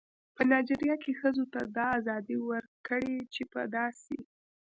په نایجیریا کې ښځو ته دا ازادي ورکړې چې په داسې